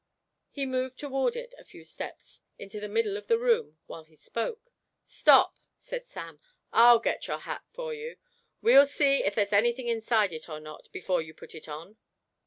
He moved toward it a few steps into the middle of the room while he spoke. "Stop!" said Sam; "I'll get your hat for you. We'll see if there's anything inside it or not, before you put it on."